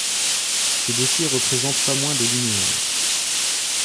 Ces dossiers représentent pas moins de linéaires.